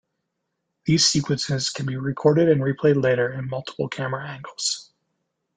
These sequences can be recorded and replayed later in multiple camera angles.